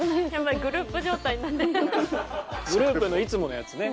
グループのいつものやつね。